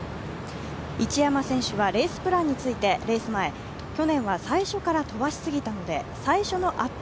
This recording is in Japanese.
一山選手はレースプランについてレース前、去年は最初から飛ばしすぎたので最初のアップ